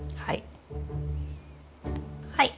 はい。